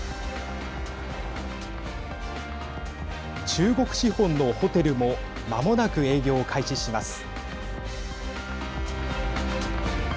中国資本のホテルもまもなく営業を開始します。